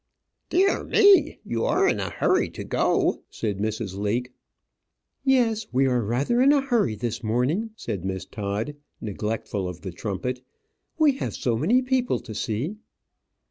"Dear me, you are in a great hurry to go," said Mrs. Leake. "Yes; we are rather in a hurry this morning," said Miss Todd, neglectful of the trumpet, "we have so many people to see."